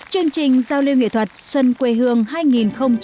chương trình giao lưu nghệ thuật xuân quê hương hai nghìn một mươi chín